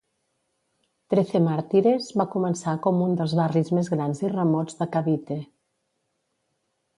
Trece Martires va començar com un dels barris més grans i remots de Cavite.